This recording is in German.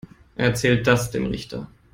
Erzähl das dem Richter.